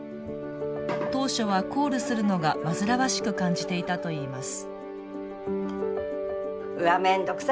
当初はコールするのが煩わしく感じていたといいます。